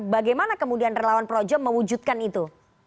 bagaimana kemudian relawan projo mewujudkan itu